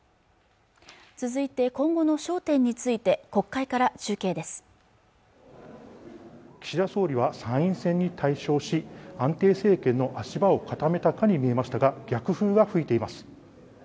続いて今後の焦点について国会から中継です岸田総理は参院選に大勝し安定政権の足場を固めたかに見えましたが逆風が吹いています